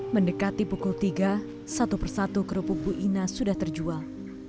mendekati pukul tiga satu persatu kerupuk bu ina sudah terjual